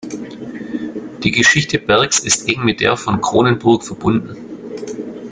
Die Geschichte Berks ist eng mit der von Kronenburg verbunden.